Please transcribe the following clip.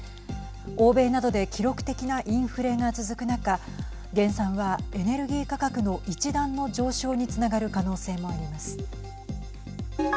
欧米などで記録的なインフレが続く中減産はエネルギー価格の一段の上昇につながる可能性もあります。